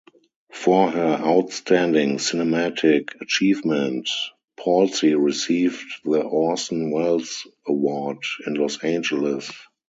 For her outstanding cinematic achievement, Palcy received the "Orson Welles Award" in Los Angeles.